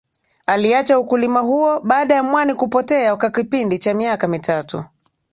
Aliacha ukulima huo baada ya mwani kupotea kwa kipindi cha miaka mitatu